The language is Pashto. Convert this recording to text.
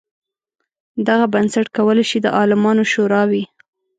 دغه بنسټ کولای شي د عالمانو شورا وي.